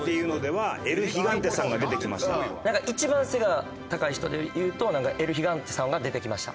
なんか一番背が高い人でいうとエル・ヒガンテさんが出てきました。